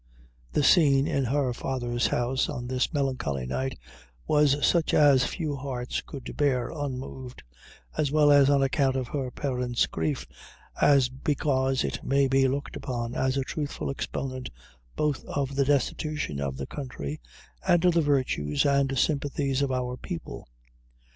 The scene in her father's house on this melancholy night, was such as few hearts could bear unmoved, as well on account of her parents' grief, as because it may be looked upon as a truthful exponent both of the destitution of the country, and of the virtues and sympathies of our people.